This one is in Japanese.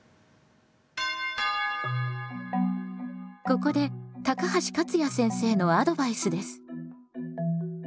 ここで高橋勝也先生のアドバイスです。